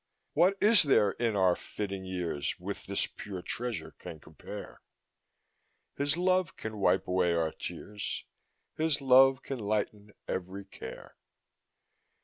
What is there in our flitting years With this pure treasure can compare? His love can wipe away our tears, His love can lighten every care.